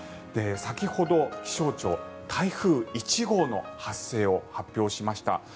先ほど気象庁、台風１号の発生を発表しました。